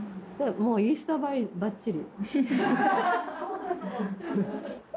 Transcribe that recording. もうインスタ映えばっちり。